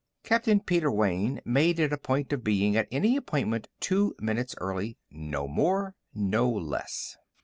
Captain Peter Wayne made it a point of being at any appointment two minutes early no more, no less.